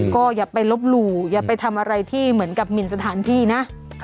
ก็อย่าไปลบหลู่อย่าไปทำอะไรที่เหมือนกับหมินสถานที่นะ